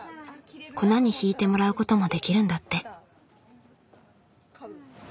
粉に挽いてもらうこともできるんだって。